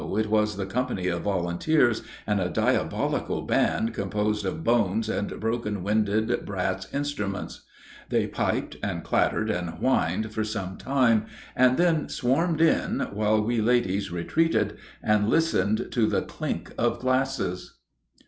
it was the company of volunteers and a diabolical band composed of bones and broken winded brass instruments. They piped and clattered and whined for some time, and then swarmed in, while we ladies retreated and listened to the clink of glasses.